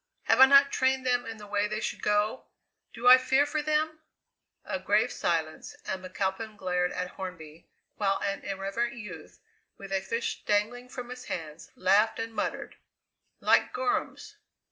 "Have I not trained them in the way they should go? Do I fear for them?" A grave silence, and McAlpin glared at Hornby, while an irreverent youth, with a fish dangling from his hands, laughed and muttered: "Like gorrems!"